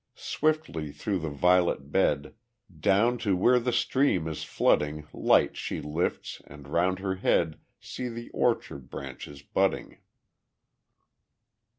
Swiftly through the violet bed, Down to where the stream is flooding Light she flits and round her head See the orchard branches budding!